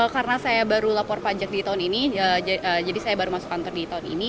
karena saya baru lapor pajak di tahun ini jadi saya baru masuk kantor di tahun ini